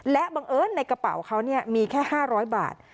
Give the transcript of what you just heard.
และบังเอิญในกระเป๋าเขามีแค่๕๐๐บาท